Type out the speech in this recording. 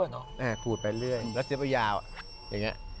ล้างไปเลื่อย